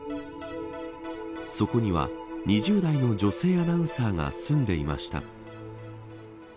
そこには２０代の女性アナウンサーが住んでいました。